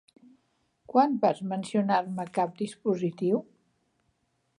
Quan vas mencionar-me cap dispositiu?